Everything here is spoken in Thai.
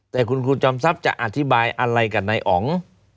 แต่คุณครูจอมทรัพย์จะอธิบายอะไรกับนายอ๋อง